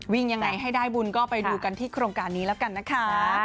ยังไงให้ได้บุญก็ไปดูกันที่โครงการนี้แล้วกันนะคะ